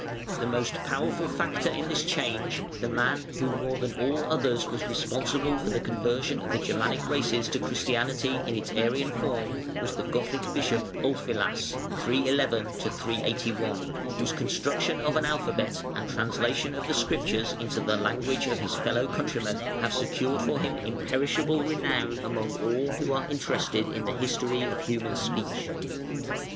The most powerful factor in this change, the man who more than all others was responsible for the conversion of the Germanic races to Christianity, in its Arian form, was the Gothic Bishop, Ulfilas (311 381), whose construction of an Alphabet and translation of the Scriptures into the language of his fellow countrymen have secured for him imperishable renown among all who are interested in the history of human speech.